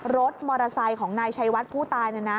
รถมอเตอร์ไซค์ของนายชัยวัดผู้ตาย